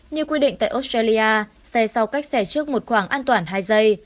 như quy định tại australia xe sau cách xe trước một khoảng an toàn hai giây